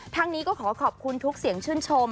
ทั้งนี้ก็ขอขอบคุณทุกเสียงชื่นชม